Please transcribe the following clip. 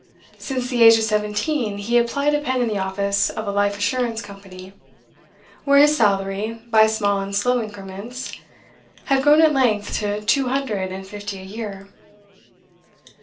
Since the age of seventeen he had plied a pen in the office of a Life Assurance Company, where his salary, by small and slow increments, had grown at length to two hundred and fifty a year.